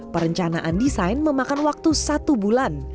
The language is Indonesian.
perencanaan desain memakan waktu satu bulan